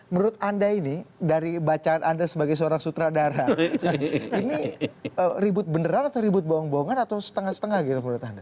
menurut anda ini dari bacaan anda sebagai seorang sutradara ini ribut beneran atau ribut bohong bohongan atau setengah setengah gitu menurut anda